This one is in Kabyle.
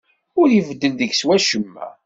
Ur ibeddel deg-s wacemma.